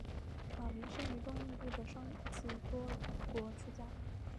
马鸣生于东印度的桑岐多国出家。